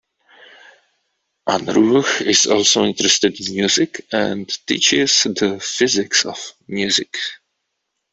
Unruh is also interested in music and teaches the Physics of Music.